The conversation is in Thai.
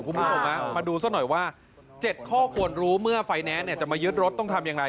คุณผู้ชมมาดูซะหน่อยว่า๗ข้อควรรู้เมื่อไฟแนนซ์จะมายึดรถต้องทำอย่างไร